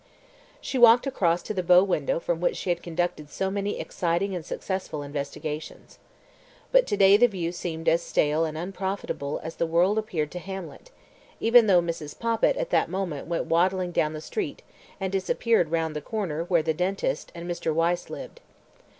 She walked across to the bow window from which she had conducted so many exciting and successful investigations. But to day the view seemed as stale and unprofitable as the world appeared to Hamlet, even though Mrs. Poppit at that moment went waddling down the street and disappeared round the corner where the dentist and Mr. Wyse lived.